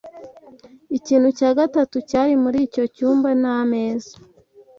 Ikintu cya gatatu cyari muri icyo cyumba ni ameza